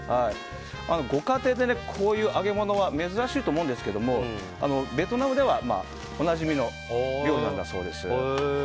ご家庭で、こういう揚げ物は珍しいと思うんですけどもベトナムではおなじみの料理だそうです。